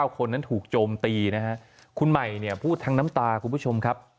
คนนั้นถูกโจมตีนะฮะคุณใหม่เนี่ยพูดทั้งน้ำตาคุณผู้ชมครับ